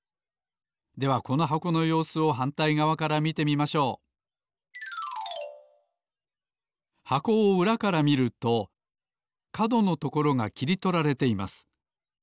ではこの箱のようすをはんたいがわから見てみましょう箱をうらから見るとかどのところがきりとられています。